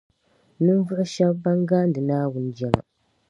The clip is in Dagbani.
Ninvuɣu shεba ban gaandi Naawuni jɛma